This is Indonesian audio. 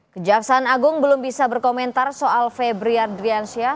kejaksaan agung belum bisa berkomentar soal febriardiansyah